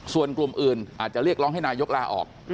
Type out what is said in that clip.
ส่วนกลุ่มอื่นอาจจะเรียกร้องให้นายกลาออก